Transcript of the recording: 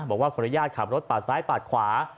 บอกว่าคนรยาตรขับรถปากซ้ายปากขวา